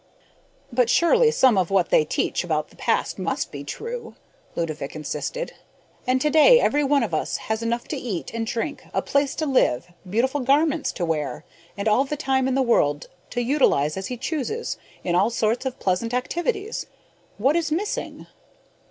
"But surely some of what they teach about the past must be true," Ludovick insisted. "And today every one of us has enough to eat and drink, a place to live, beautiful garments to wear, and all the time in the world to utilize as he chooses in all sorts of pleasant activities. What is missing?"